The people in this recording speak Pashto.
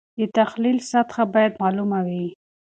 د تحلیل سطحه باید معلومه وي.